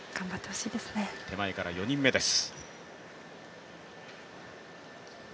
手前から４人目です。